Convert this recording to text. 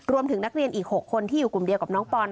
รวมถึงนักเรียนอีก๖คนที่อยู่กลุ่มเดียวกับน้องปอน